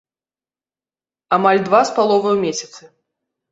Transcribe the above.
Амаль два з паловаю месяцы.